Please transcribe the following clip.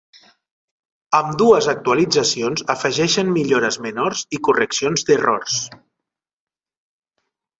Ambdues actualitzacions afegeixen millores menors i correccions d'errors.